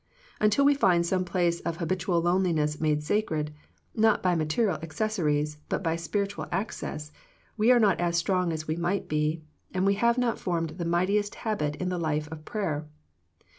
Until we find some place of habitual loneliness made sacred, not by material accessories, but by spiritual ac cess, we are not as strong as we might be, and we have not formed the mightiest habit in the life of prayer.